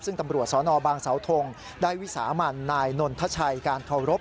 ซึ่งตำรวจสนบางเสาทงได้วิสามันนายนนทชัยการเคารพ